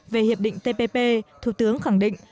về hiệp định tpp thủ tướng khẳng định